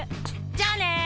じゃあね！